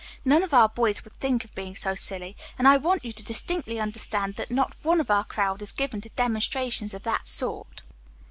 None of our boys would think of being so silly, and I want you to distinctly understand that not one of our crowd is given to demonstrations of that sort."